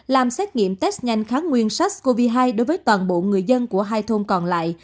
làm xét nghiệm test nhanh kháng nguyên sars cov hai đối với toàn bộ người dân của hai thôn còn lại